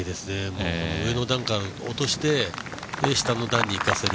上の段から落として下の段にいかせる。